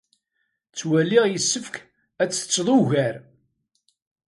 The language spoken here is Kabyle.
Ttwaliɣ yessefk ad tettetteḍ ugar.